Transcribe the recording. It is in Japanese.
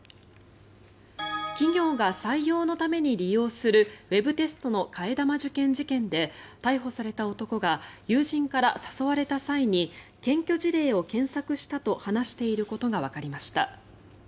企業が採用のために利用するウェブテストの替え玉受験事件で逮捕された男が友人から誘われた際に検挙事例を検索したと話していることがわかりました。